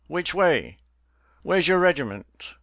which way? Where's your regiment?